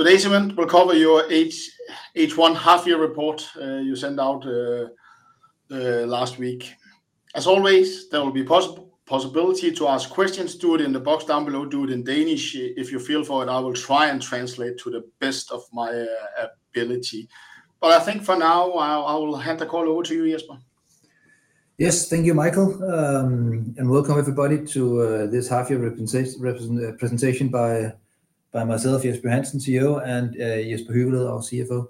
Today's event will cover your H1 half-year report you sent out last week. As always, there will be possibility to ask questions. Do it in the box down below. Do it in Danish, if you feel for it. I will try and translate to the best of my ability. But I think for now, I will hand the call over to you, Jesper. Yes. Thank you, Michael, and welcome everybody to this half year presentation by myself, Jesper Johansen, CEO, and Jesper Hyveled, our CFO.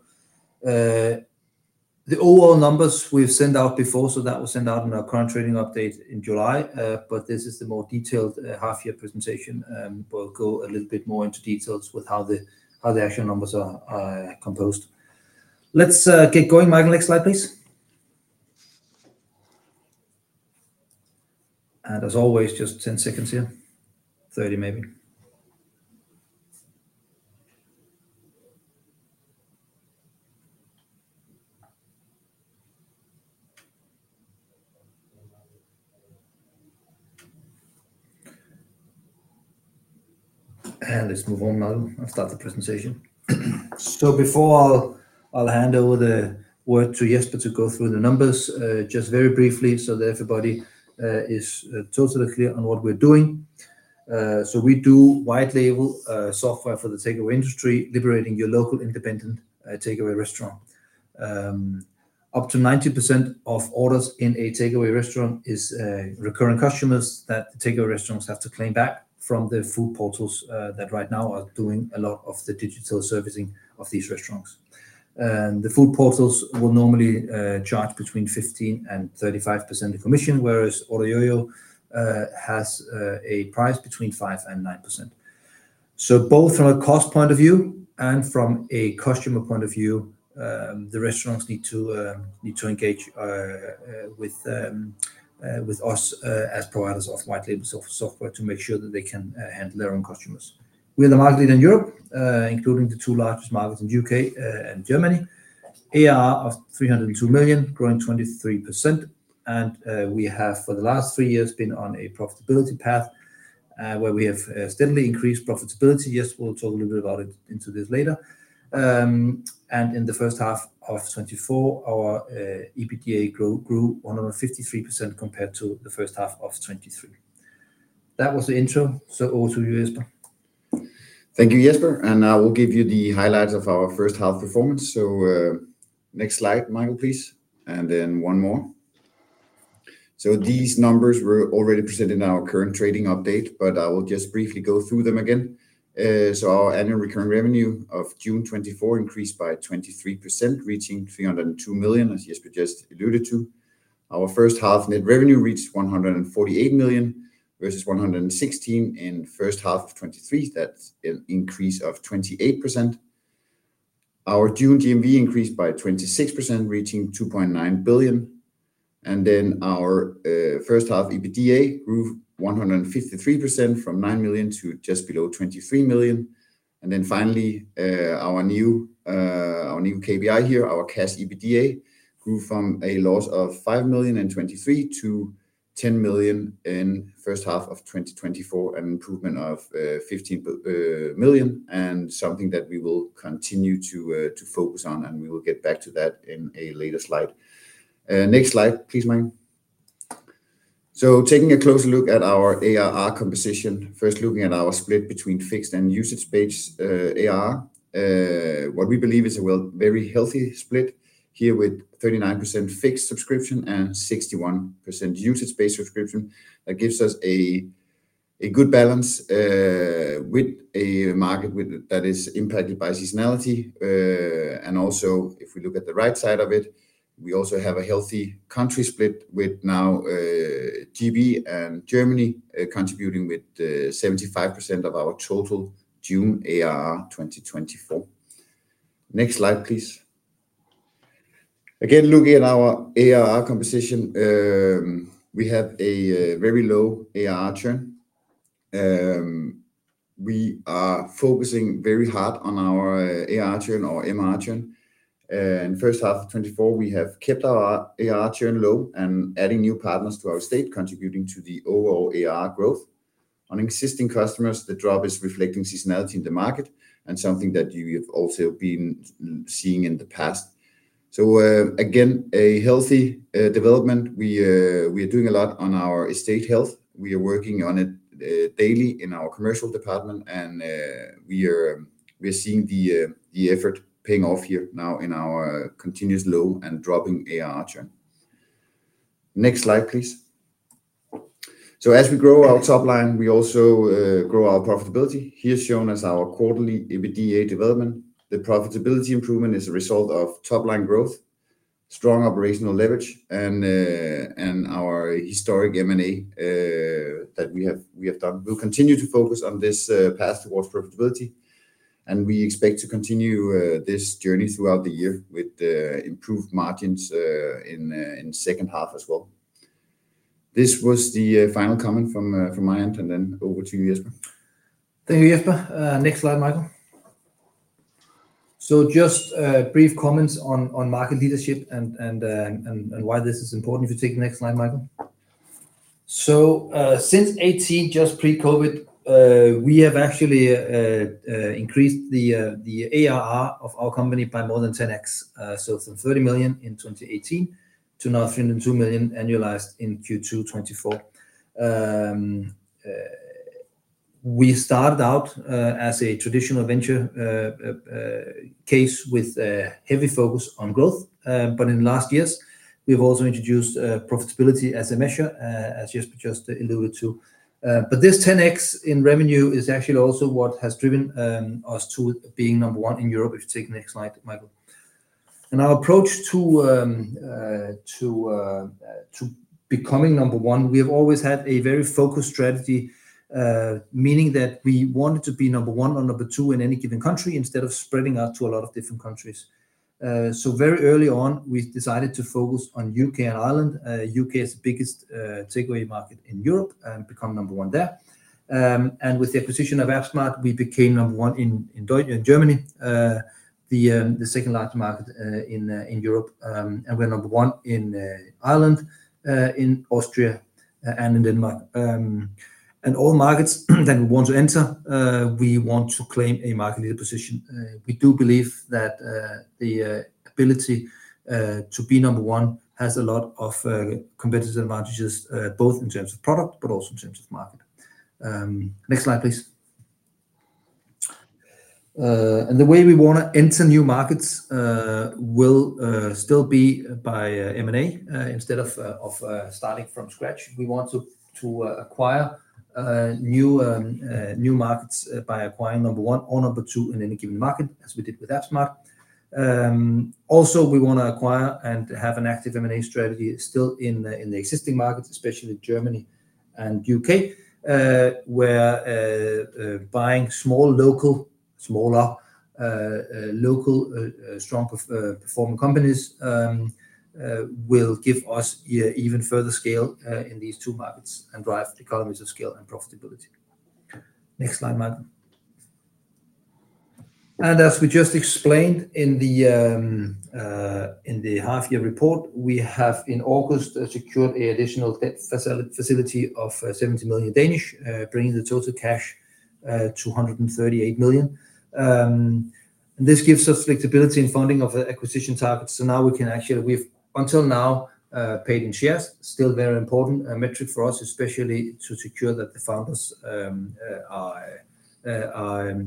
The overall numbers we've sent out before, so that was sent out in our current trading update in July, but this is the more detailed half year presentation, and we'll go a little bit more into details with how the actual numbers are composed. Let's get going. Michael, next slide, please, and as always, just 10 seconds here. 30 seconds, maybe, and let's move on, Michael. I'll start the presentation, so before I'll hand over the word to Jesper to go through the numbers, just very briefly so that everybody is totally clear on what we're doing. We do white label software for the takeaway industry, liberating your local independent takeaway restaurant. Up to 90% of orders in a takeaway restaurant is recurring customers that takeaway restaurants have to claim back from the food portals that right now are doing a lot of the digital servicing of these restaurants. The food portals will normally charge between 15% and 35% of commission, whereas OrderYOYO has a price between 5% and 9%. Both from a cost point of view and from a customer point of view, the restaurants need to engage with us as providers of white label software to make sure that they can handle their own customers. We are the market leader in Europe, including the two largest markets in U.K. and Germany. ARR of 302 million, growing 23%, and we have, for the last three years, been on a profitability path, where we have steadily increased profitability. Jesper will talk a little bit about it, into this later. And in the first half of 2024, our EBITDA grew 153% compared to the first half of 2023. That was the intro, so over to you, Jesper. Thank you, Jesper, and I will give you the highlights of our first half performance. Next slide, Michael, please, and then one more. These numbers were already presented in our current trading update, but I will just briefly go through them again. Our annual recurring revenue of June 2024 increased by 23%, reaching 302 million, as Jesper just alluded to. Our first half net revenue reached 148 million versus 116 million in first half of 2023. That's an increase of 28%. Our June GMV increased by 26%, reaching 2.9 billion, and then our first half EBITDA grew 153% from 9 million to just below 23 million. Finally, our new KPI here, our cash EBITDA, grew from a loss of 5 million in 2023 to 10 million in the first half of 2024, an improvement of 15 million, and something that we will continue to focus on, and we will get back to that in a later slide. Next slide, please, Michael. Taking a closer look at our ARR composition. First, looking at our split between fixed and usage-based ARR, what we believe is a very healthy split here, with 39% fixed subscription and 61% usage-based subscription. That gives us a good balance with a market that is impacted by seasonality. Also if we look at the right side of it, we also have a healthy country split with now GB and Germany contributing with 75% of our total June ARR 2024. Next slide, please. Again, looking at our ARR composition, we have a very low ARR churn. We are focusing very hard on our ARR churn or MRR churn. In first half of 2024, we have kept our ARR churn low and adding new partners to our estate, contributing to the overall ARR growth. On existing customers, the drop is reflecting seasonality in the market and something that you have also been seeing in the past. Again, a healthy development. We are doing a lot on our estate health. We are working on it daily in our commercial department, and we are seeing the effort paying off here now in our continuous low and dropping ARR churn. Next slide, please. So as we grow our top line, we also grow our profitability. Here shown is our quarterly EBITDA development. The profitability improvement is a result of top-line growth, strong operational leverage, and our historic M&A that we have done. We'll continue to focus on this path towards profitability, and we expect to continue this journey throughout the year with improved margins in second half as well. This was the final comment from my end, and then over to you, Jesper. Thank you, Jesper. Next slide, Michael. Just brief comments on market leadership and why this is important. If you take the next slide, Michael. Since 2018, just pre-COVID, we have actually increased the ARR of our company by more than 10x. From 30 million in 2018 to now 302 million annualized in Q2 2024. We started out as a traditional venture case with a heavy focus on growth. In the last years, we've also introduced profitability as a measure, as Jesper just alluded to. This 10x in revenue is actually also what has driven us to being number one in Europe. If you take the next slide, Michael. And our approach to becoming number one, we have always had a very focused strategy, meaning that we wanted to be number one or number two in any given country, instead of spreading out to a lot of different countries. So very early on, we decided to focus on U.K. and Ireland. U.K. is the biggest takeaway market in Europe, and become number one there. And with the acquisition of app smart, we became number one in Germany, the second largest market in Europe. And we're number one in Ireland, in Austria, and in Denmark. And all markets that we want to enter, we want to claim a market leader position. We do believe that the ability to be number one has a lot of competitive advantages both in terms of product, but also in terms of market. Next slide, please. And the way we wanna enter new markets will still be by M&A. Instead of starting from scratch, we want to acquire newmarkets by acquiring number one or number two in any given market, as we did with app smart. Also, we wanna acquire and have an active M&A strategy still in the existing markets, especially Germany and U.K., where buying small, local, smaller local strong performing companies will give us even further scale in these two markets and drive economies of scale and profitability. Next slide, Michael. As we just explained in the half year report, we have in August secured an additional debt facility of 70 million, bringing the total cash to 138 million. And this gives us flexibility in funding of the acquisition targets. So now we can actually. We've until now paid in shares, still very important, a metric for us, especially to secure that the founders are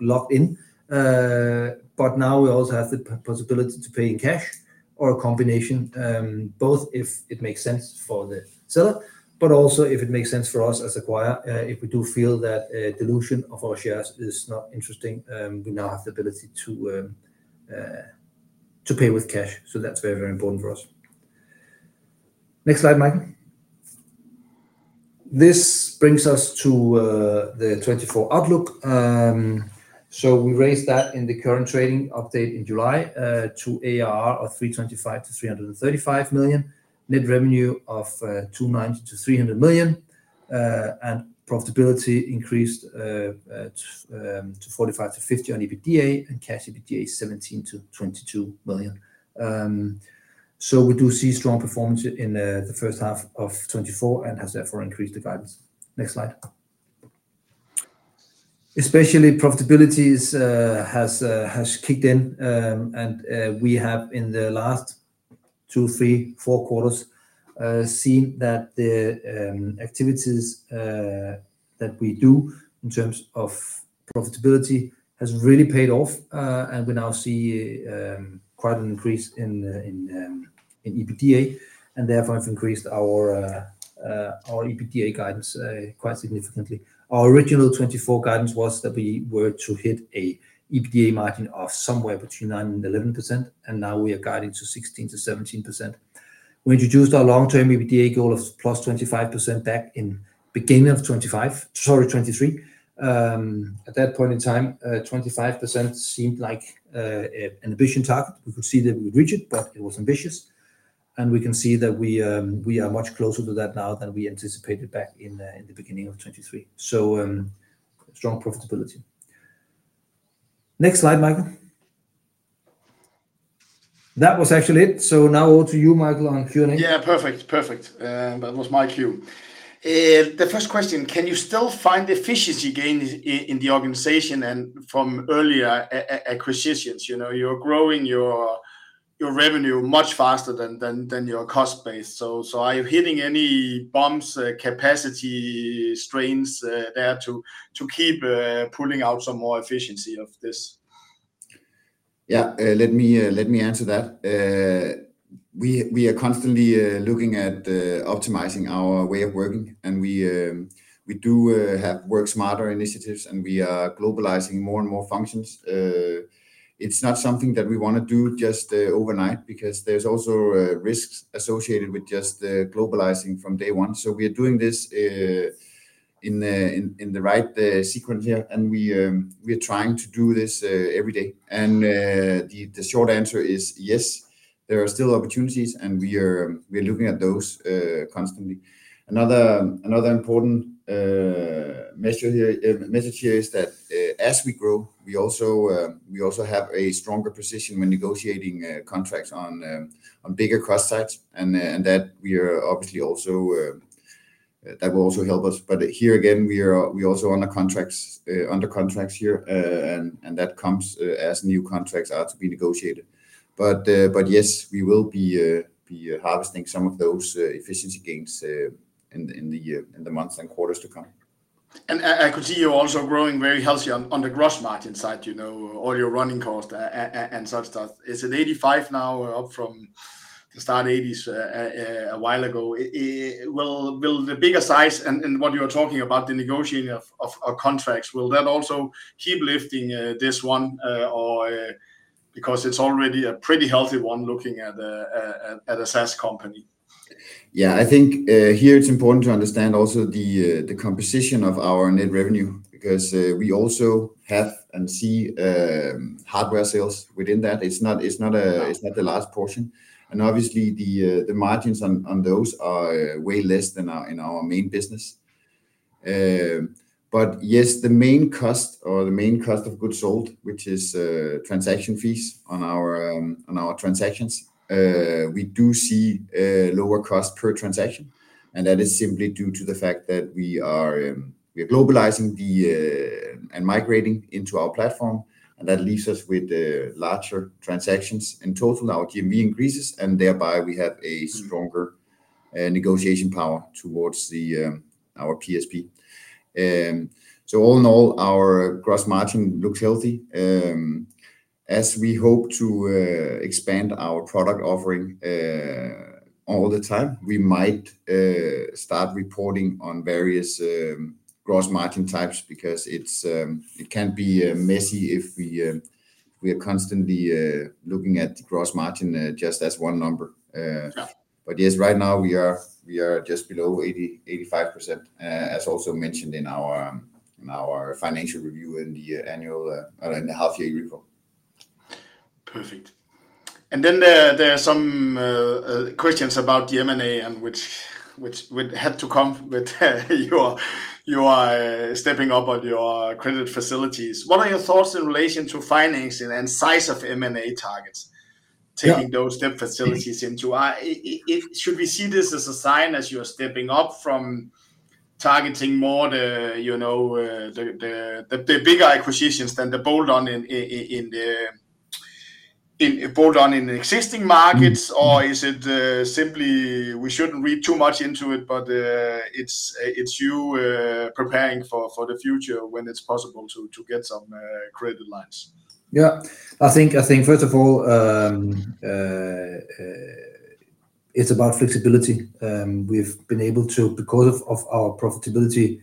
locked in. But now we also have the possibility to pay in cash or a combination, both if it makes sense for the seller, but also if it makes sense for us as acquirer. If we do feel that dilution of our shares is not interesting, we now have the ability to pay with cash. So that's very, very important for us. Next slide, Michael. This brings us to the 2024 outlook. So we raised that in the current trading update in July to ARR of 325 million-335 million, net revenue of 290 million-300 million, and profitability increased to 45 million-50 million on EBITDA and cash EBITDA, 17 million-22 million. So we do see strong performance in the first half of 2024 and has therefore increased the guidance. Next slide. Especially profitability has kicked in and we have in the last two, three, four quarters seen that the activities that we do in terms of profitability has really paid off and we now see quite an increase in EBITDA, and therefore have increased our EBITDA guidance quite significantly. Our original 2024 guidance was that we were to hit an EBITDA margin of somewhere between 9% and 11%, and now we are guiding to 16%-17%. We introduced our long-term EBITDA goal of +25% back in beginning of 2025. Sorry, 2023. At that point in time, 25% seemed like an ambitious target. We could see that we would reach it, but it was ambitious, and we can see that we are much closer to that now than we anticipated back in the beginning of 2023. So, strong profitability. Next slide, Michael. That was actually it. So now over to you, Michael, on Q&A. Yeah, perfect. Perfect. That was my cue. The first question, can you still find efficiency gains in the organization and from earlier acquisitions? You know, you're growing your revenue much faster than your cost base. So, are you hitting any bumps, capacity strains there to keep pulling out some more efficiency of this? Yeah, let me answer that. We are constantly looking at optimizing our way of working, and we do have work smarter initiatives, and we are globalizing more and more functions. It's not something that we wanna do just overnight because there's also risks associated with just globalizing from day one. So we are doing this in the right sequence here, and we are trying to do this every day. The short answer is yes, there are still opportunities, and we are looking at those constantly. Another. Another important measure here is that as we grow, we also have a stronger position when negotiating contracts on bigger cost sides. And that we are obviously also that will also help us. But here again, we are also under contracts here, and that comes as new contracts are to be negotiated. But yes, we will be harvesting some of those efficiency gains in the months and quarters to come. I could see you're also growing very healthy on the gross margin side, you know, all your running costs and such stuff. Is it 85% now, up from the start eighties a while ago? Will the bigger size and what you are talking about, the negotiating of contracts, will that also keep lifting this one, or because it's already a pretty healthy one looking at a SaaS company? Yeah. I think here it's important to understand also the composition of our net revenue, because we also have and see hardware sales within that. It's not, it's not a, It's not the largest portion. And obviously the margins on those are way less than our main business. But yes, the main cost of goods sold, which is transaction fees on our transactions, we do see lower cost per transaction, and that is simply due to the fact that we are globalizing and migrating into our platform, and that leaves us with larger transactions. In total, our GMV increases, and thereby we have a stronger negotiation power towards our PSP. So all in all, our gross margin looks healthy. As we hope to expand our product offering all the time, we might start reporting on various gross margin types because it can be messy if we are constantly looking at the gross margin just as one number. Yeah. But yes, right now we are just below 80%, 85%, as also mentioned in our financial review in the annual and the half year report. Perfect. And then there are some questions about the M&A and which would have to come with your stepping up on your credit facilities. What are your thoughts in relation to financing and size of M&A targets? Yeah Taking those debt facilities into? Should we see this as a sign, as you are stepping up from targeting more the, you know, the bigger acquisitions than the bolt-on in the existing markets? Or is it simply we shouldn't read too much into it, but it's you preparing for the future when it's possible to get some credit lines? Yeah, I think first of all, it's about flexibility. We've been able to, because of our profitability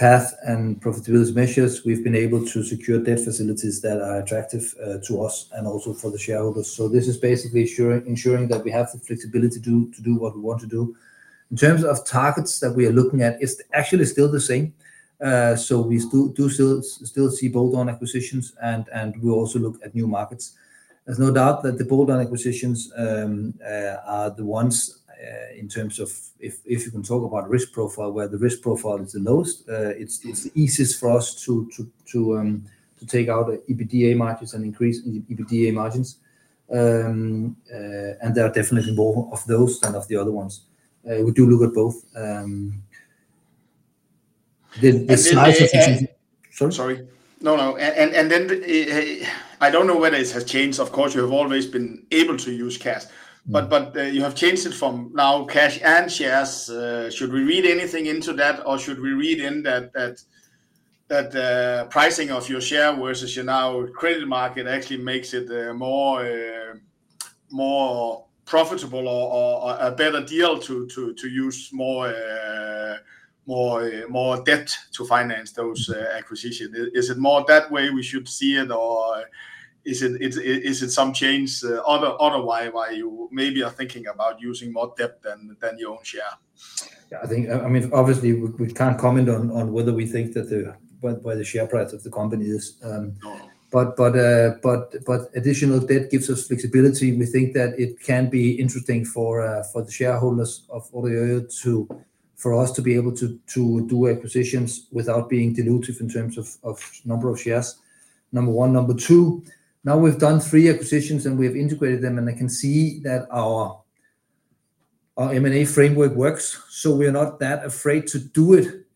path and profitability measures, secure debt facilities that are attractive to us and also for the shareholders. So this is basically ensuring that we have the flexibility to do what we want to do. In terms of targets that we are looking at, it's actually still the same. So we still see bolt-on acquisitions, and we also look at new markets. There's no doubt that the bolt-on acquisitions are the ones in terms of if you can talk about risk profile, where the risk profile is the lowest. It's the easiest for us to take out the EBITDA margins and increase in the EBITDA margins, and there are definitely more of those than of the other ones. We do look at both the size- And, and, and- Sorry? Sorry. No, no, and then, I don't know whether it has changed. Of course, you have always been able to use cash- Mm But you have changed it from now cash and shares. Should we read anything into that, or should we read into that pricing of your share versus your current credit market actually makes it more profitable or a better deal to use more debt to finance those acquisitions? Is it more that way we should see it, or is it some change other way why you maybe are thinking about using more debt than your own share? Yeah, I think, I mean, obviously we can't comment on whether we think that what, where the share price of the company is. No But additional debt gives us flexibility, and we think that it can be interesting for the shareholders of OrderYOYO for us to be able to do acquisitions without being dilutive in terms of number of shares, number one. Number two, now we've done three acquisitions, and we have integrated them, and I can see that our M&A framework works, so we are not that afraid to do it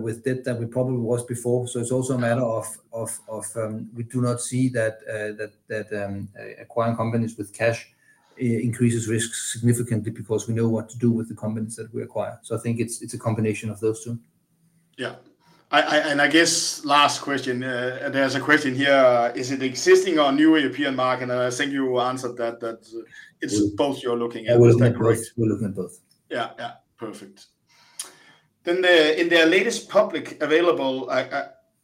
with debt than we probably was before. So it's also a matter of we do not see that acquiring companies with cash increases risk significantly because we know what to do with the companies that we acquire. So I think it's a combination of those two. Yeah. And I guess last question, and there's a question here, is it existing or new European market? And I think you answered that it's both you're looking at. We're looking at both. Is that correct? We're looking at both. Yeah, yeah. Perfect. Then, in their latest publicly available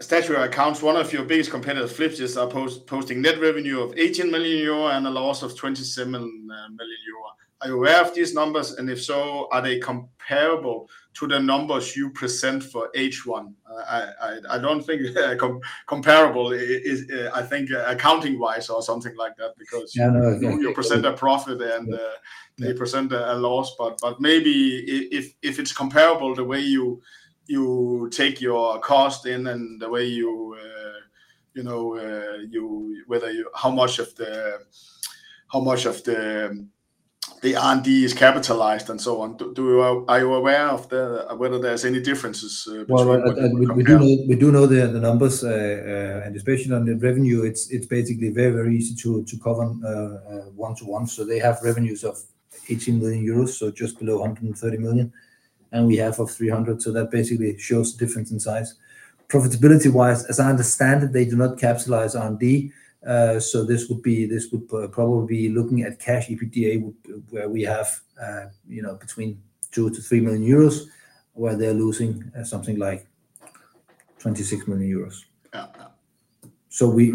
statutory accounts, one of your biggest competitors, Flipdish, is posting net revenue of 18 million euro and a loss of 27 million euro. Are you aware of these numbers, and if so, are they comparable to the numbers you present for H1? I don't think comparable is. I think accounting-wise or something like that, because- Yeah. You present a profit and they present a loss, but maybe if it's comparable, the way you take your cost in and the way you, you know, you whether you, how much of the R&D is capitalized and so on. Are you aware of whether there's any differences between what we compare? We do know the numbers, and especially on the revenue, it's basically very easy to cover one-to-one. So they have revenues of 18 million euros, so just below 130 million, and we have 300 million, so that basically shows the difference in size. Profitability-wise, as I understand it, they do not capitalize R&D. So this would be, this would probably be looking at cash EBITDA, where we have, you know, between 2 million-3 million euros, where they're losing something like 26 million euros. Yeah. So we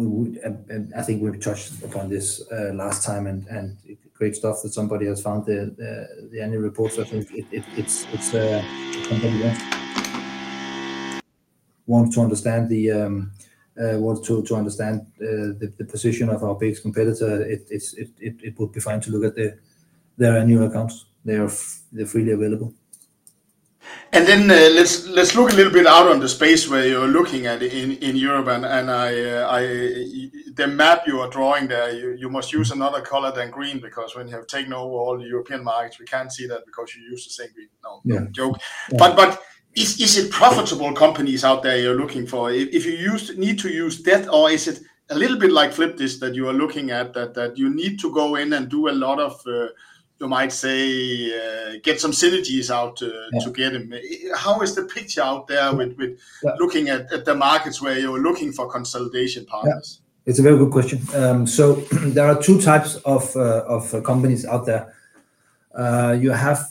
would and I think we've touched upon this last time, and great stuff that somebody has found the annual report. So I think it's want to understand the position of our biggest competitor. It would be fine to look at their annual accounts. They're freely available. And then, let's look a little bit out on the space where you're looking at in Europe. The map you are drawing there, you must use another color than green because when you have taken over all the European markets, we can't see that because you use the same green. No. Yeah. Joke. Yeah. But is it profitable companies out there you're looking for? If you need to use debt or is it a little bit like Flipdish that you are looking at, that you need to go in and do a lot of, you might say, get some synergies out, to get them? Yeah. How is the picture out there with, Yeah Looking at the markets where you're looking for consolidation partners? Yeah. It's a very good question. So there are two types of companies out there. You have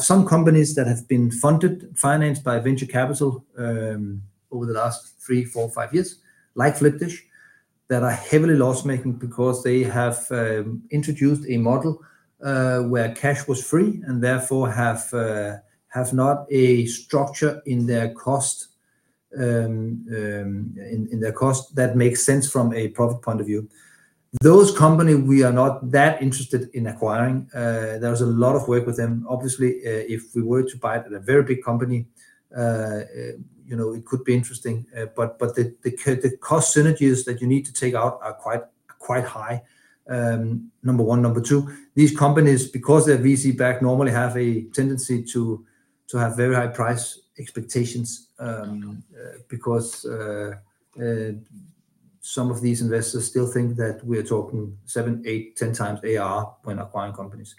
some companies that have been funded, financed by venture capital over the last three, four, five years, like Flipdish, that are heavily loss-making because they have introduced a model where cash was free and therefore have not a structure in their cost that makes sense from a profit point of view. Those companies, we are not that interested in acquiring. There is a lot of work with them. Obviously, if we were to buy a very big company, you know, it could be interesting, but the cost synergies that you need to take out are quite high, number one. Number two, these companies, because they're VC-backed, normally have a tendency to have very high price expectations, because some of these investors still think that we're talking 7x, 8x, 10x ARR when acquiring companies.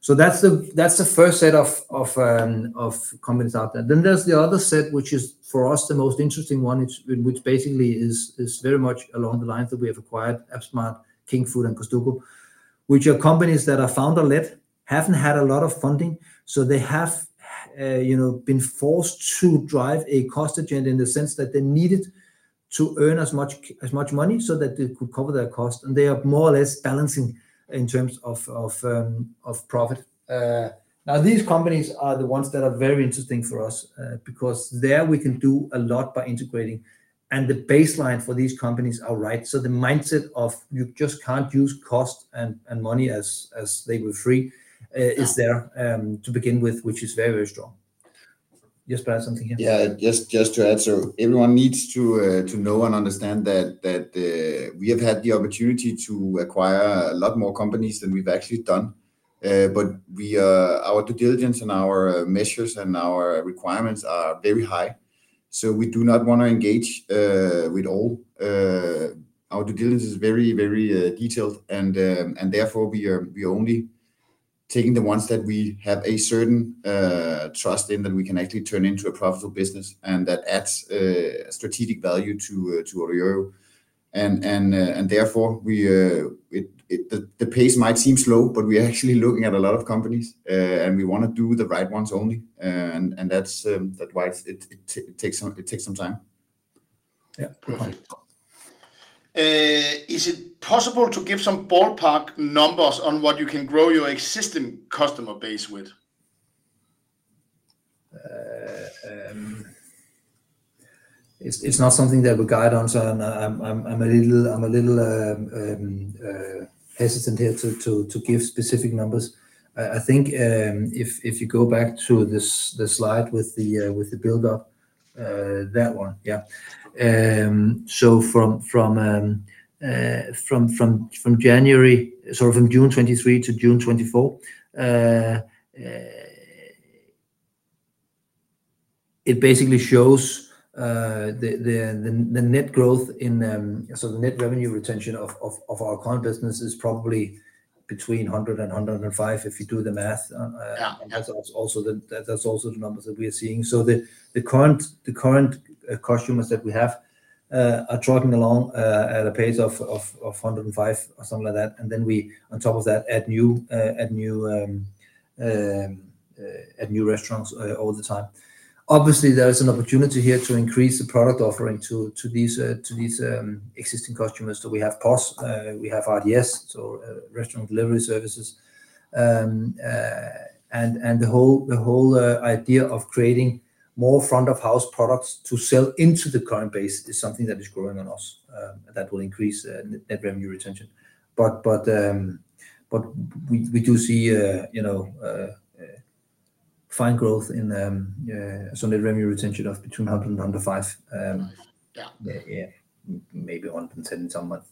So that's the first set of companies out there. Then there's the other set, which is for us, the most interesting one, which basically is very much along the lines that we have acquired app smart, Kingfood, and Gusto, which are companies that are founder-led, haven't had a lot of funding, so they have, you know, been forced to drive a cost agenda in the sense that they needed to earn as much money so that they could cover their cost, and they are more or less balancing in terms of profit. Now these companies are the ones that are very interesting for us, because there we can do a lot by integrating, and the baseline for these companies are right. So the mindset of you just can't use cost and money as they were free is there to begin with, which is very, very strong. Jesper, you have something here? Yeah, just, just to add. So everyone needs to know and understand that we have had the opportunity to acquire a lot more companies than we've actually done. But our due diligence and our measures and our requirements are very high. So we do not wanna engage with all. Our due diligence is very, very detailed, and therefore we are only taking the ones that we have a certain trust in, that we can actually turn into a profitable business and that adds strategic value to OrderYOYO. And therefore, it... The pace might seem slow, but we are actually looking at a lot of companies, and we wanna do the right ones only, and that's why it takes some time. Yeah. Perfect. Is it possible to give some ballpark numbers on what you can grow your existing customer base with? It's not something that we guide on, so I'm a little hesitant here to give specific numbers. I think, if you go back to this, the slide with the buildup, that one. Yeah. So from January, sorry, from June 2023 to June 2024, it basically shows the net growth in. So the net revenue retention of our current business is probably between 100% and 105%, if you do the math. Yeah. And that's also the numbers that we are seeing. So the current customers that we have are chugging along at a pace of 105% or something like that, and then we, on top of that, add new restaurants all the time. Obviously, there is an opportunity here to increase the product offering to these existing customers. So we have POS, we have RDS, so restaurant delivery services. And the whole idea of creating more front of house products to sell into the current base is something that is growing on us, that will increase net revenue retention. We do see, you know, fine growth in net revenue retention of between 100% and 105%, Five. Yeah. Yeah. Maybe 1% somewhat,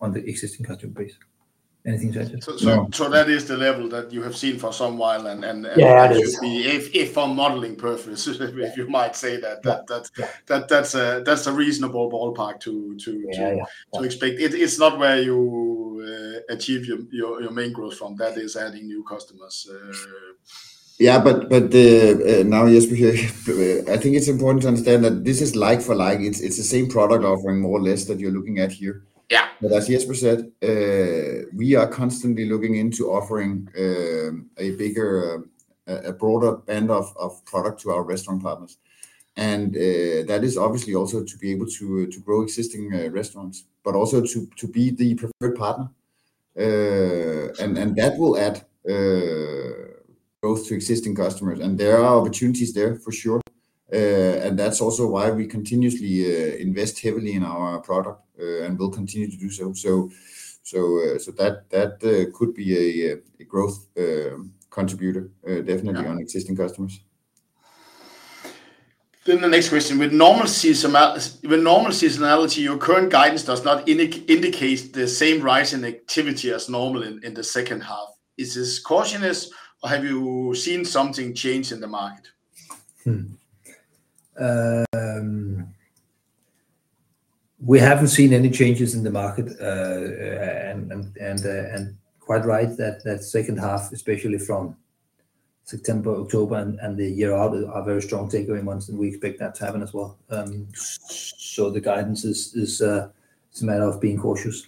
on the existing customer base. Anything to add, Jesper? That is the level that you have seen for some while, and. Yeah, it is. If for modeling purposes, you might say that that's Yeah That that's a reasonable ballpark to. Yeah To expect. It, it's not where you achieve your main growth from, that is adding new customers. Yeah, but, now, Jesper, I think it's important to understand that this is like for like. It's the same product offering more or less that you're looking at here. Yeah. But as Jesper said, we are constantly looking into offering a bigger, a broader end of product to our restaurant partners. And that is obviously also to be able to grow existing restaurants, but also to be the preferred partner. And that will add both to existing customers, and there are opportunities there for sure. And that's also why we continuously invest heavily in our product and will continue to do so. So that could be a growth contributor, definitely. Yeah On existing customers. Then the next question: With normal seasonality, your current guidance does not indicate the same rise in activity as normal in the second half. Is this cautiousness, or have you seen something change in the market? We haven't seen any changes in the market. Quite right that second half, especially from September, October, and the year out, are very strong takeaway months, and we expect that to happen as well. So the guidance is, it's a matter of being cautious.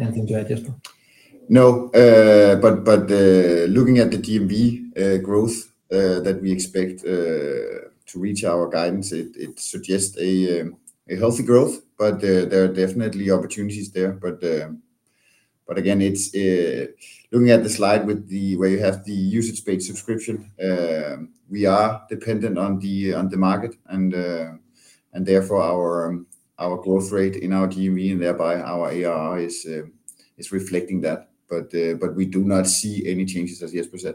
Anything to add, Jesper? No. But looking at the GMV growth that we expect to reach our guidance, it suggests a healthy growth, but there are definitely opportunities there. But again, it's looking at the slide where you have the usage-based subscription. We are dependent on the market and therefore our growth rate in our GMV and thereby our ARR is reflecting that. But we do not see any changes, as Jesper said.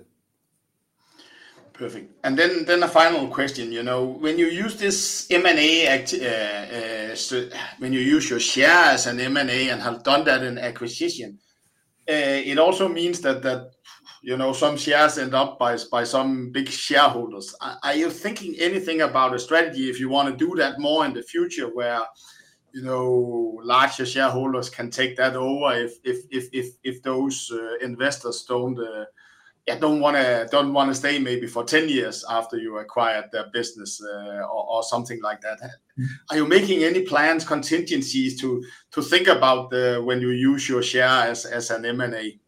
Perfect. Then the final question. You know, when you use this M&A, so when you use your shares and M&A and have done that in acquisition, it also means that, you know, some shares end up by some big shareholders. Are you thinking anything about a strategy if you wanna do that more in the future, where, you know, larger shareholders can take that over if those investors don't wanna stay maybe for ten years after you acquired their business, or something like that? Are you making any plans, contingencies to think about when you use your shares as an M&A?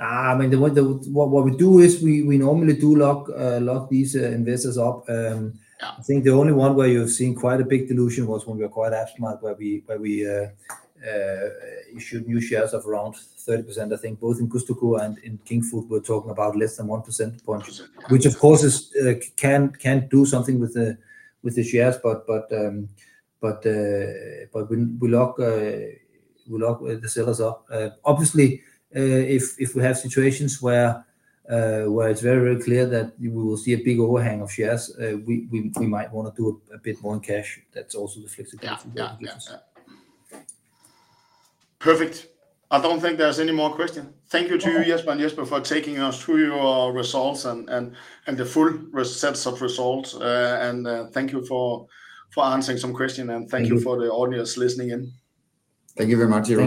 I mean, what we do is we normally lock these investors up. Yeah I think the only one where you've seen quite a big dilution was when we acquired app smart, where we issued new shares of around 30%. I think both in Gusto and in Kingfood, we're talking about less than one percentage points- Okay Which of course is, can do something with the shares. But we lock the sellers up. Obviously, if we have situations where it's very clear that we will see a big overhang of shares, we might wanna do a bit more in cash. That's also the flexibility. Yeah. Yeah, yeah. Perfect. I don't think there's any more question. Thank you to you, Jesper and Jesper, for taking us through your results and the full sets of results, and thank you for answering some questions, and thank you. Mm-hmm For the audience listening in. Thank you very much, Jesper.